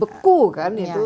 beku kan itu